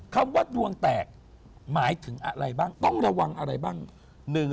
คำว่าดวงแตกหมายถึงอะไรบ้างต้องระวังอะไรบ้าง